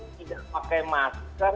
tidak pakai masker